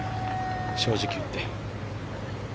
正直言って。